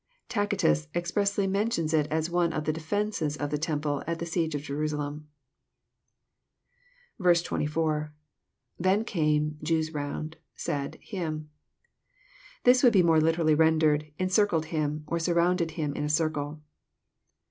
Tacitus expressly mentions it as one of the defences of the temple at the siege of Jerusalem. 24. — {_Then came...Jew8 round... 8aid...him.] This would be more literally rendered, "encircled Him," or surrounded Him in a circle.